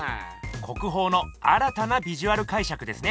国宝の新たなビジュアルかいしゃくですね。